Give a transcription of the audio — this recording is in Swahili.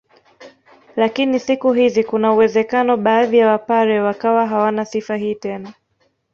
Lakini siku hizi kuna uwezekano baadhi ya wapare wakawa hawana sifa hii tena